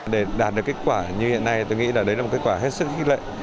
để đạt được kết quả như hiện nay tôi nghĩ là đấy là một kết quả hết sức khích lệ